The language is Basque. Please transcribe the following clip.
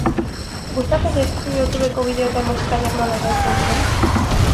Gustatzen zaizkizu Youtubeko bideoetan musikariak nola janzten diren?